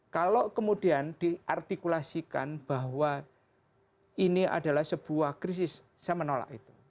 kalau kemudian diartikulasikan bahwa ini adalah sebuah krisis saya menolak itu